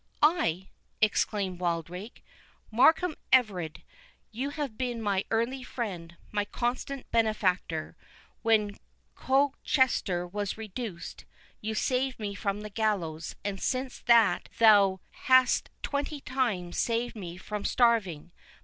"I!" exclaimed Wildrake. "Markham Everard, you have been my early friend, my constant benefactor. When Colchester was reduced, you saved me from the gallows, and since that thou hast twenty times saved me from starving.